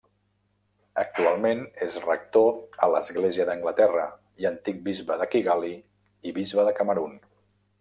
Actualment és rector a l'Església d'Anglaterra i antic bisbe de Kigali i Bisbe de Camerun.